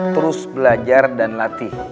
terus belajar dan latih